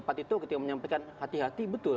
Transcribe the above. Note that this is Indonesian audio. pak tito ketika menyampaikan hati hati betul